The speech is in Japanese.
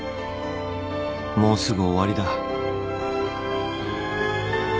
もうすぐ終わりだ